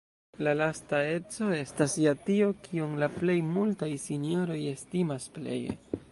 La lasta eco estas ja tio, kion la plej multaj sinjoroj estimas pleje.